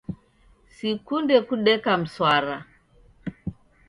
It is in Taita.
Sikunde kudeka mswara.